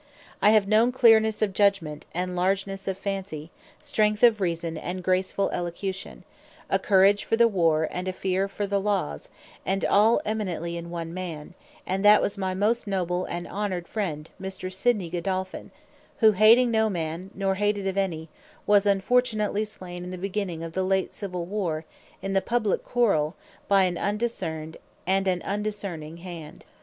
I have known cleernesse of Judgment, and largenesse of Fancy; strength of Reason, and gracefull Elocution; a Courage for the Warre, and a Fear for the Laws, and all eminently in one man; and that was my most noble and honored friend Mr. Sidney Godolphin; who hating no man, nor hated of any, was unfortunately slain in the beginning of the late Civill warre, in the Publique quarrel, by an indiscerned, and an undiscerning hand.